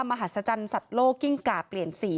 มหัศจรรย์สัตว์โลกกิ้งก่าเปลี่ยนสี